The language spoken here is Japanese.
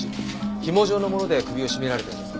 ひも状のもので首を絞められたようです。